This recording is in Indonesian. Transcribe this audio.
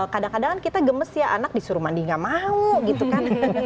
kadang kadang kita gemes ya anak disuruh mandi gak mau gitu kan